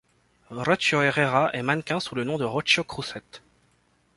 Rocío Herrera est mannequin sous le nom de Rocío Crusset.